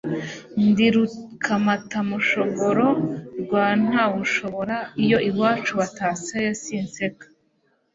Ndi Rukamatamushogoro rwa Ntamushobora iyo iwacu bataseye sinseka